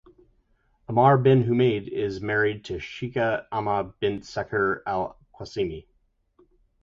Ammar bin Humaid is married to Sheikha Asma bint Saqr Al Qasimi.